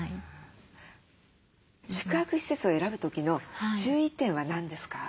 宿泊施設を選ぶ時の注意点は何ですか？